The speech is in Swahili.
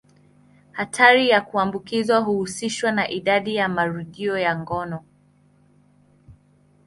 Hatari ya kuambukizwa huhusishwa na idadi ya marudio ya ngono.